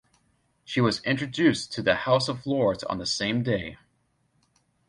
She was introduced to the House of Lords on the same day.